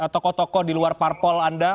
tokoh tokoh di luar parpol anda